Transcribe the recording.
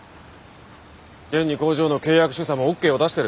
現に工場の契約主査もＯＫを出してる。